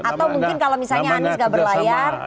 atau mungkin kalau misalnya anies gak berlayar